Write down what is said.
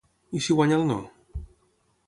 I si guanya el no?